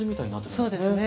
そうですね。